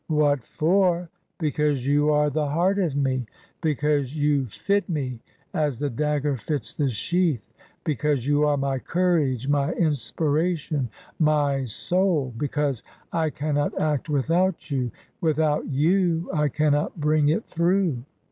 " What for ? Because you are the heart of me ! Be cause you fit me as the dagger fits the sheath. Because you are my courage, my inspiration, my soul. Because I cannot act without you ; without you, I cannot bring it through."